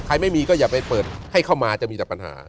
ไม่มีก็อย่าไปเปิดให้เข้ามาจะมีแต่ปัญหา